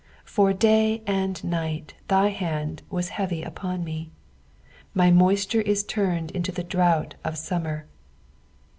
4 For day and night thy hand was heavy upon me : my moisture is turned into the drought of summer.